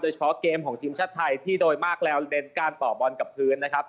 เฉพาะเกมของทีมชาติไทยที่โดยมากแล้วเน้นการต่อบอลกับพื้นนะครับ